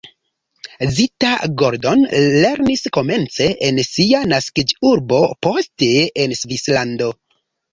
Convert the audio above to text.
Zita Gordon lernis komence en sia naskiĝurbo, poste en Svislando.